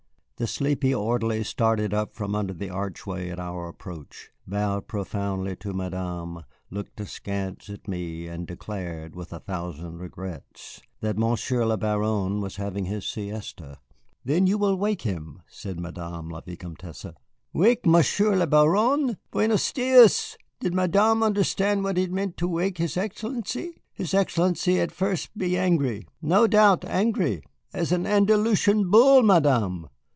The sleepy orderly started up from under the archway at our approach, bowed profoundly to Madame, looked askance at me, and declared, with a thousand regrets, that Monsieur le Baron was having his siesta. "Then you will wake him," said Madame la Vicomtesse. Wake Monsieur le Baron! Bueno Dios, did Madame understand what it meant to wake his Excellency? His Excellency would at first be angry, no doubt. Angry? As an Andalusian bull, Madame.